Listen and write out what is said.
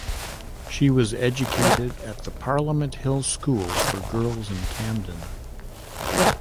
She was educated at the Parliament Hill School for Girls in Camden.